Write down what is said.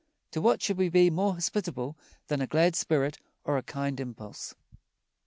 To what should we be more hospitable than a glad spirit or a kind impulse?